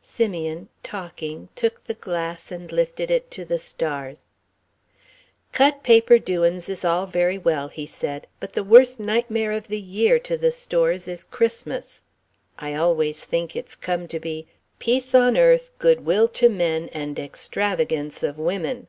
Simeon, talking, took the glass and lifted it to the stars. "Cut paper doin's is all very well," he said, "but the worst nightmare of the year to the stores is Christmas. I always think it's come to be 'Peace on earth, good will to men and extravagance of women.'